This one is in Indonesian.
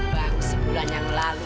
baru sebulan yang lalu